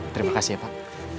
terima kasih ya pak